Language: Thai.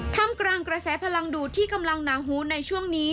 ทำกลางกระแสพลังดูดที่กำลังหนาหูในช่วงนี้